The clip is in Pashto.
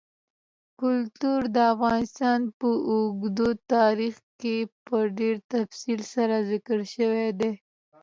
کلتور د افغانستان په اوږده تاریخ کې په ډېر تفصیل سره ذکر شوی دی.